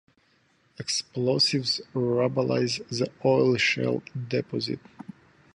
Explosives rubblize the oil-shale deposit.